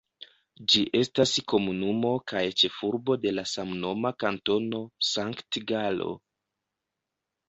Ĝi estas komunumo kaj ĉefurbo de la samnoma Kantono Sankt-Galo.